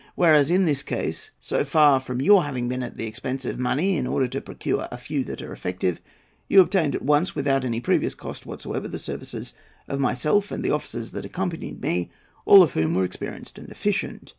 Whereas, in this case, so far from your having been at the expense of money in order to procure a few that are effective, you obtained at once, without any previous cost whatever, the services of myself and the officers that accompanied me, all of whom were experienced and efficient.